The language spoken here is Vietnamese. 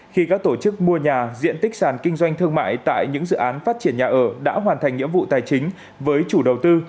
khi các tổ chức mua nhà diện tích sàn kinh doanh thương mại tại những dự án phát triển nhà ở đã hoàn thành nhiệm vụ tài chính với chủ đầu tư